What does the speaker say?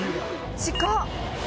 近っ！